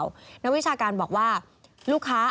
เพราะวิชาการบอกว่าลูกค้า